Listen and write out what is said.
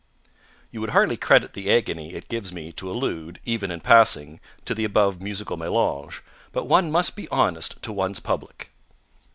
_ You would hardly credit the agony it gives me to allude, even in passing, to the above musical mélange, but one must be honest to one's public.